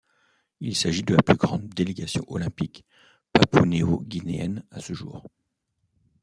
Il s'agit de la plus grande délégation olympique papou-néo-guinéenne à ce jour.